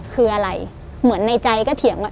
คืออะไรเหมือนในใจก็เถียงว่า